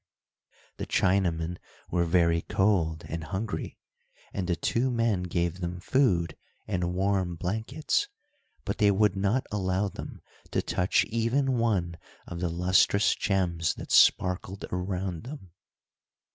The Chinamen were very cold and hungry, and the two men gave them food and warm blankets, but they would not allow them to touch even one of the lustrous gems that sparkled around them.